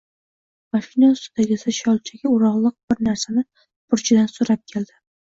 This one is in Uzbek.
Mashina ustidagisi sholchaga o‘rog‘liq bir narsani burchidan sudrab keldi.